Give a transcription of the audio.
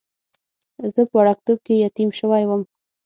زه په وړکتوب کې یتیم شوی وم.